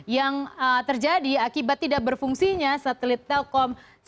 yang terjadi akibat tidak berfungsinya satelit telkom